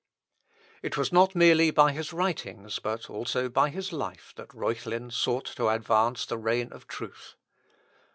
It was not merely by his writings, but also by his life, that Reuchlin sought to advance the reign of truth.